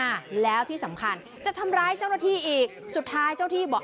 อ่ะแล้วที่สำคัญจะทำร้ายเจ้าหน้าที่อีกสุดท้ายเจ้าที่บอก